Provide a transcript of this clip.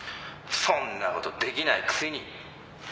そんなことできないくせに。